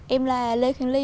em là lê khánh ly